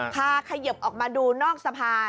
พาเขยิบออกมาดูนอกสภา